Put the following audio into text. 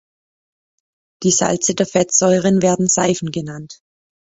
Die Salze der Fettsäuren werden Seifen genannt.